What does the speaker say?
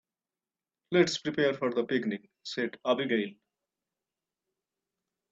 "Let's prepare for the picnic!", said Abigail.